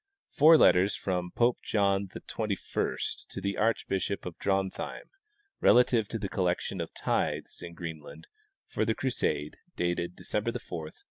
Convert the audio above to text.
Four letters from Pope John XXI to the archbishop of Drontheim, relative to the collection of tithes in Greenland for the Crusade, dated December 4, 1276.